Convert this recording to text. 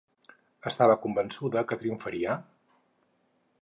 Estava convençuda que triomfaria?